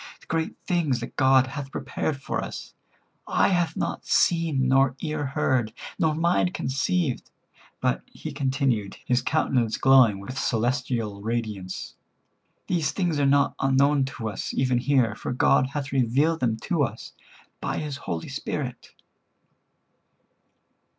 The great things that God hath prepared for us, eye hath not seen nor ear heard, nor mind conceived, but," continued he, his countenance glowing with celestial radiance, "these things are not unknown to us even here, for God hath revealed them to us by His Spirit."